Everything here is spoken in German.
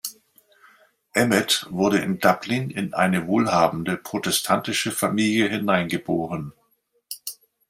Emmet wurde in Dublin in eine wohlhabende protestantische Familie hineingeboren.